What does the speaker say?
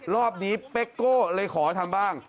รอบนี้เป๊กโก้เลยขอทำบ้าง